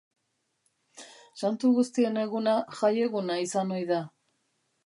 Santu Guztien Eguna jaieguna izan ohi da.